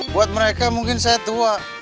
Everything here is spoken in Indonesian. buat mereka mungkin saya tua